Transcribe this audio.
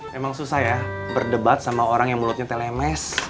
memang susah ya berdebat sama orang yang mulutnya telemes